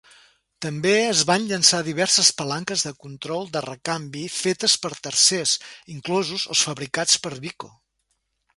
També es van llançar diverses palanques de control de recanvi fetes per tercers, inclosos els fabricats per Wico.